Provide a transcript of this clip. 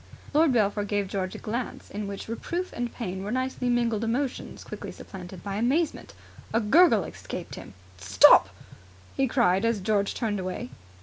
Lord Belpher gave George a glance in which reproof and pain were nicely mingled emotions quickly supplanted by amazement. A gurgle escaped him. "Stop!" he cried as George turned away.